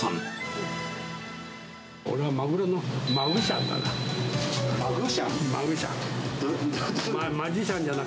俺はマグロのマグシャンだな。